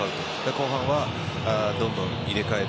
後半はどんどん入れ替える。